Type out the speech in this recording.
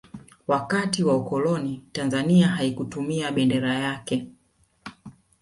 wakati wa ukoloni tanzania haikutumia bendera yake